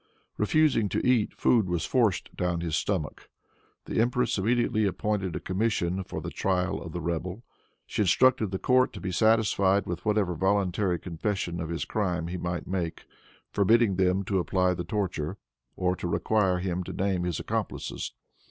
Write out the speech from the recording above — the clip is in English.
Refusing to eat, food was forced down his stomach. The empress immediately appointed a commission for the trial of the rebel. She instructed the court to be satisfied with whatever voluntary confession of his crime he might make, forbidding them to apply the torture, or to require him to name his accomplices.